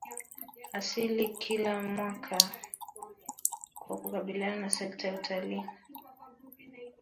asili kila mwaka Kwa kukabiliana na sekta ya utalii